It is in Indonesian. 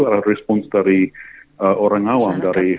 ada respons dari orang awam